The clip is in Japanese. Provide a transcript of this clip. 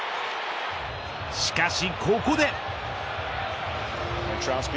しかしここで。